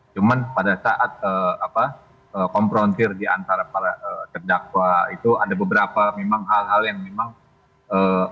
cuman pada saat komprontir diantara para terdakwa itu ada beberapa memang hal hal yang memang